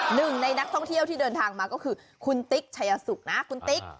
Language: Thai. หนึ่งในนักท่องเที่ยวที่เดินทางมาก็คือคุณติ๊กชายสุกนะคุณติ๊ก